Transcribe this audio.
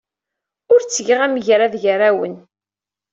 Ur ttgeɣ amgerrad gar-awen.